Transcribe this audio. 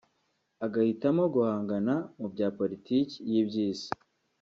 agahitamo guhangana mubya politiki y’iby’isi